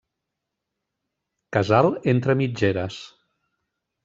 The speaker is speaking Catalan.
Casal entre mitgeres.